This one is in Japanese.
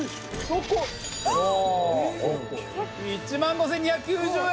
１万５２９０円。